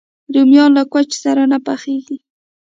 رومیان له کوچ سره نه پخېږي